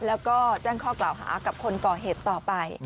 แล้วก็แจ้งข้อกล่าวหากับคนก่อเหตุต่อไป